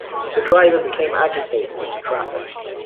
The driver became agitated in the traffic.